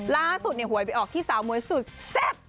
ล่าสุดหวยไปออกที่สาวมวยสุดแซ่บ